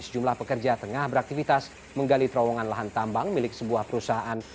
sejumlah pekerja tengah beraktivitas menggali terowongan lahan tambang milik sebuah perusahaan